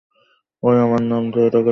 ওই আমার নাম ধরে ডাকার সাহস কেমনে হলো?